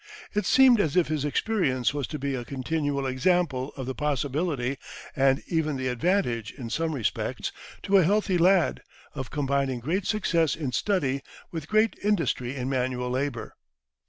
It seemed as if his experience was to be a continual example of the possibility, and even the advantage in some respects, to a healthy lad, of combining great success in study with great industry in manual labour.